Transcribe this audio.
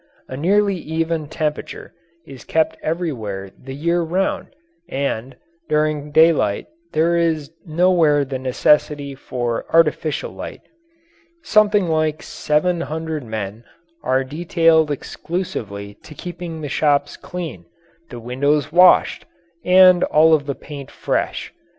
A nearly even temperature is kept everywhere the year round and, during daylight, there is nowhere the necessity for artificial light. Something like seven hundred men are detailed exclusively to keeping the shops clean, the windows washed, and all of the paint fresh.